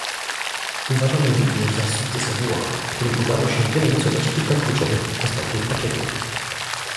Uważam je również za sukces Włoch, którym udało się wynegocjować kilka kluczowych aspektów pakietu